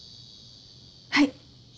はい。